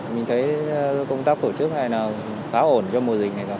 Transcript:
mình thấy công tác tổ chức này khá ổn cho mùa dịch này